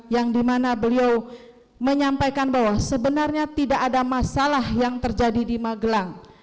yang dimana beliau menyampaikan bahwa sebenarnya tidak ada masalah yang terjadi di magelang